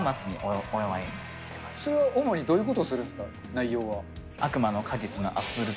それは主にどういうことをするんですか、内容は。